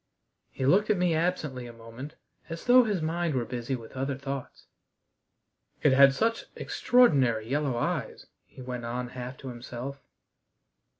He looked at me absently a moment, as though his mind were busy with other thoughts. "It had such extraordinary yellow eyes," he went on half to himself.